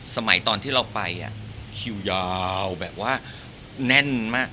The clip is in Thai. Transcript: สมัยตอนที่เราไปคิวยาวแบบว่าแน่นมาก